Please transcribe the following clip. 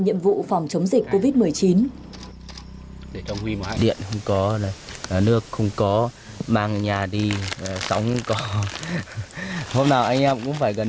nhiệm vụ phòng chống dịch covid một mươi chín